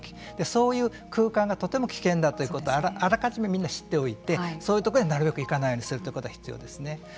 そういう空間がとても危険だということをあらかじめみんな知っておいてそういう所になるべく行かないようにするということが必要ですね。